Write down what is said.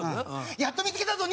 やっと見付けたぞ！